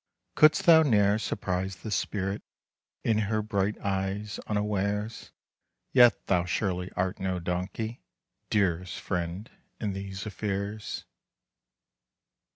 "Could'st thou ne'er surprise the spirit In her bright eyes unawares? Yet thou surely art no donkey, Dearest friend, in these affairs!"